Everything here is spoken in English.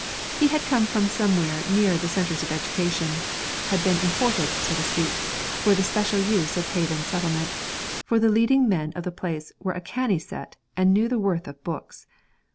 He had come from somewhere nearer the centres of education had been imported, so to speak, for the special use of Haven Settlement, for the leading men of the place were a canny set and knew the worth of books.